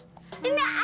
ini yang i like